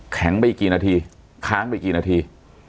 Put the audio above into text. ไปกี่นาทีค้างไปกี่นาที